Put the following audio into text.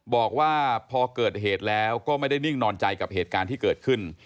บอกว่าพอเกิดเหตุแล้วก็ไม่ได้นิ่งนอนใจกับเหตุการณ์ที่เกิดขึ้น